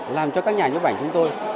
làm cho các nhà nhấp ảnh chúng tôi